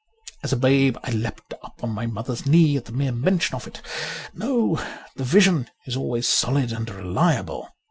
As a babe I leapt up on my mother's knee at the mere mention of it. No ; the vision is always solid and reliable.